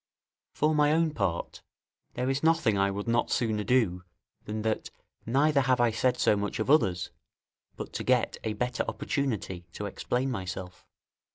For my own part, there is nothing I would not sooner do than that, neither have I said so much of others, but to get a better opportunity to explain myself.